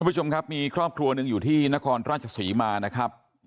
ผู้ชมครับมีครอบครัวหนึ่งอยู่ที่นครราชศรีมานะครับ